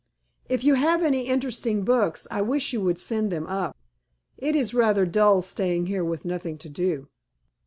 "If you have any interesting books, I wish you would send them up. It is rather dull staying here with nothing to do."